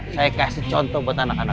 saya kasih contoh buat anak anak